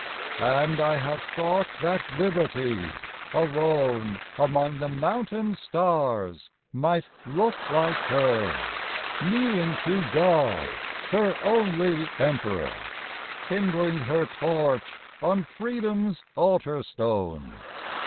And I have thought that Liberty, alone Among the mountain stars, might look like her, Kneeling to GOD, her only emperor, Kindling her torch on FREEDOM'S altar stone.